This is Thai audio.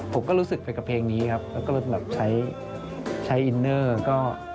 ผมก็รู้สึกไปกับเพลงนี้ครับแล้วก็แบบใช้ใช้อินเนอร์ก็